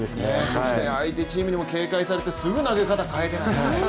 そして相手チームにも警戒されてすぐ投げ方変えて。